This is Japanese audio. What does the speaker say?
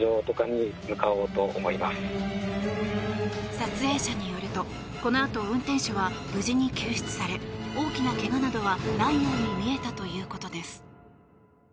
撮影者によるとこのあと運転手は無事に救出され大きなけがなどはないように見えたということです。